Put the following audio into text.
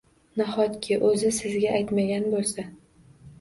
Nahotki o`zi sizga aytmagan bo`lsa